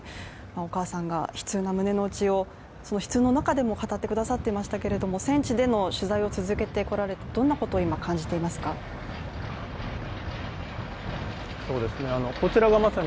お母さんが悲痛な胸のうちを悲痛の中でも語ってくださいましたけれども、戦地での取材を続けてこられて今、どんなことを感じていらっしゃいますか？